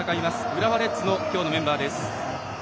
浦和レッズの今日のメンバーです。